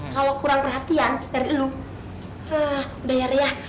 kalau kurang perhatian dari lo udah ya ria